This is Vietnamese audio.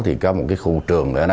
thì có một khu trường